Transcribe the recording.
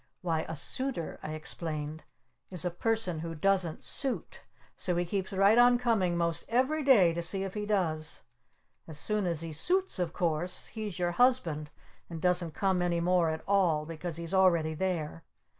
"Why a Suitor," I explained, "is a Person Who Doesn't Suit so he keeps right on coming most every day to see if he does! As soon as he suits, of course, he's your husband and doesn't come any more at all because he's already there!